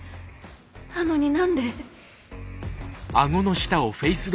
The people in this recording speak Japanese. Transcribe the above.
なのに何で？